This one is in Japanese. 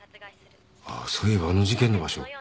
そういえばあの事件の場所